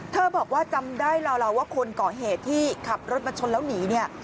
บอกว่าจำได้ลาวว่าคนก่อเหตุที่ขับรถมาชนแล้วหนีเนี่ย